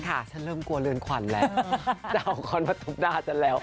ฉันเริ่มกลัวเรือนขวัญแล้วจะเอาขวัญมาทุบหน้าฉันแล้ว